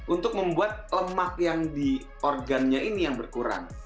untuk membuat lemak yang di organnya ini yang berkurang